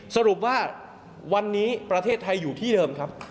สรุปว่าวันนี้ประเทศไทยอยู่ที่เดิมครับ